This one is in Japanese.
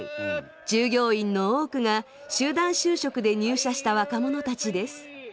従業員の多くが集団就職で入社した若者たちです。